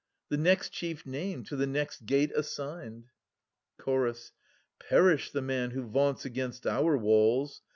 450 The next chief name, to the next gate assigned. Chorus. Perish the man who vaunts against our walls